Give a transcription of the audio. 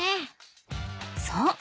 そう。